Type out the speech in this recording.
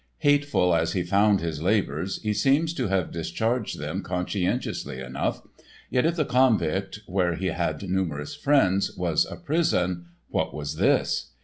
Hateful as he found his labors he seems to have discharged them conscientiously enough. Yet if the Konvikt, where he had numerous friends, was a "prison" what was this?